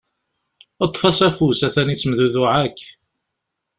Ṭṭef-as afus atan yettemdudduɛ akk.